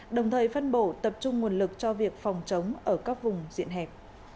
đồng thời phân bổ tập trung nguồn lực cho việc phòng chống ở các vùng diện hẹp